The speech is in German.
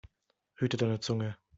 Hüte deine Zunge!